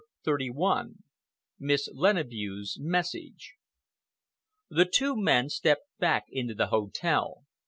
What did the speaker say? CHAPTER XXXI MISS LENEVEU'S MESSAGE The two men stepped back into the hotel.